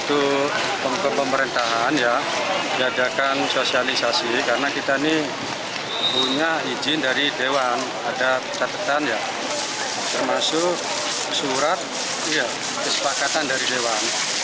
untuk pemerintahan ya diadakan sosialisasi karena kita ini punya izin dari dewan ada catatan ya termasuk surat kesepakatan dari dewan